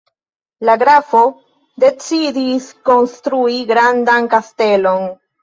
La grafo decidis konstrui grandan kastelon.